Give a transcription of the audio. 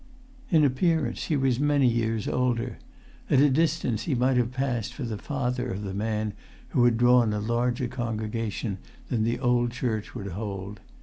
In appearance he was many years older; at a distance he might have passed for the father of the man who had drawn a larger congregation than the old church would hold.